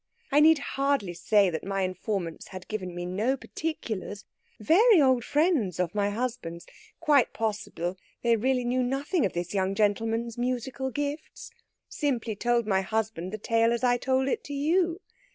I need hardly say that my informants had given me no particulars. Very old friends of my husband's. Quite possible they really knew nothing of this young gentleman's musical gifts. Simply told my husband the tale as I told it to you.